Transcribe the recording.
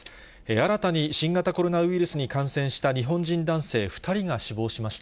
新たに新型コロナウイルスに感染した日本人男性２人が死亡しました。